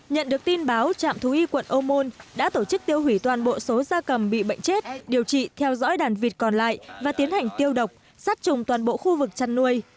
nhận được tin báo trạm thú y quận ô môn đã tổ chức tiêu hủy toàn bộ số gia cầm bị bệnh chết điều trị theo dõi đàn vịt còn lại và tiến hành tiêu độc sát trùng toàn bộ khu vực chăn nuôi